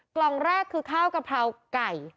กล่องแรกคือข้าวกะเพราไก่